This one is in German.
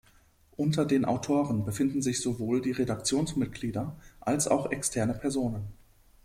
Unter den Autoren befinden sich sowohl die Redaktionsmitglieder als auch externe Personen.